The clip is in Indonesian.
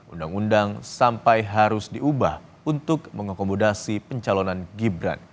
undang undang sampai harus diubah untuk mengakomodasi pencalonan gibran